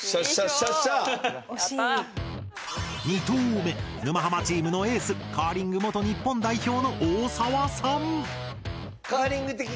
２投目沼ハマチームのエースカーリング元日本代表の大澤さん。